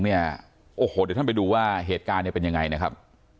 เดี๋ยวท่านไปดูว่าเหตุการณ์เนี่ยเป็นยังไงนะครับ